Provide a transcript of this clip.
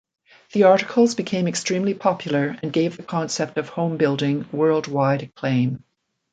The articles became extremely popular and gave the concept of homebuilding worldwide acclaim.